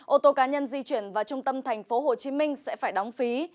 ô tô cá nhân di chuyển vào trung tâm tp hcm sẽ phải đóng phí